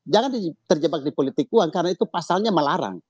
jangan terjebak di politik uang karena itu pasalnya melarang